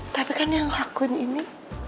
tapi kan yang lakuin ini